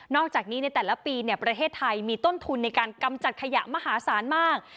อกจากนี้ในแต่ละปีประเทศไทยมีต้นทุนในการกำจัดขยะมหาศาลมาก